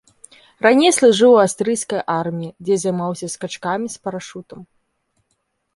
Раней служыў у аўстрыйскай арміі, дзе займаўся скачкамі з парашутам.